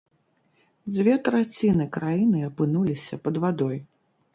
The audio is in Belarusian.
Дзве траціны краіны апынуліся пад вадой.